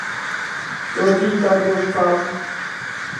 高鐵臺中站